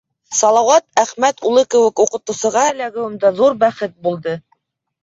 Салауат Әхмәт улы кеүек уҡытыусыға эләгеүем дә ҙур бәхет булды.